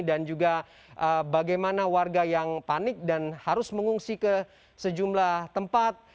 dan juga bagaimana warga yang panik dan harus mengungsi ke sejumlah tempat